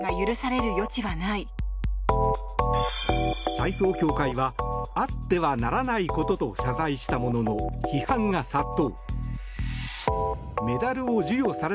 体操協会はあってはならないことと謝罪したものの批判が殺到。